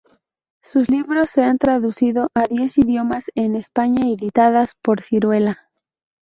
Sus libros se han traducido a diez idiomas, en España editadas por Siruela.